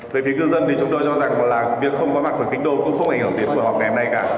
với phía cư dân thì chúng tôi cho rằng là việc không có mặt của kinh đô cũng không ảnh hưởng đến cuộc họp ngày hôm nay cả